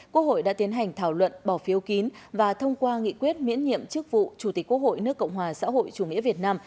quốc hội đã tiến hành thảo luận bỏ phiếu kín và thông qua nghị quyết miễn nhiệm chức vụ chủ tịch quốc hội nước cộng hòa xã hội chủ nghĩa việt nam